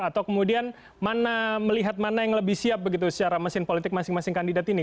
atau kemudian melihat mana yang lebih siap begitu secara mesin politik masing masing kandidat ini